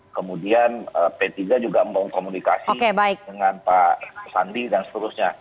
kemudian p tiga juga membangun komunikasi dengan pak sandi dan seterusnya